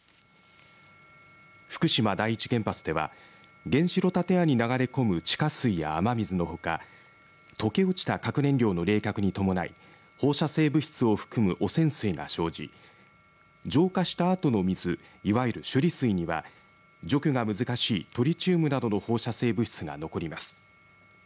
福島第一原発では原子炉建屋に流れ込む地下水や雨水のほか溶け落ちた核燃料の冷却に伴い放射性物質を含む汚染水が生じ浄化したあとの水いわゆる処理水には除去が難しいトリチウムなどの放射性物質が残ります。